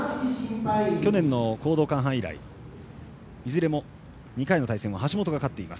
去年の講道館杯以来いずれも２回の対戦は橋本が勝っています。